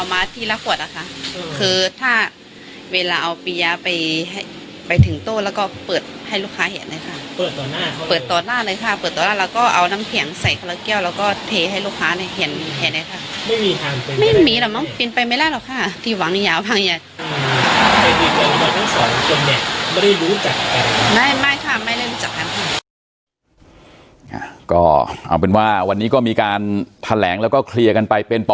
ไม่ได้รู้จักใคร